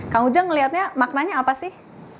kang ujang melihatnya maknanya apa sih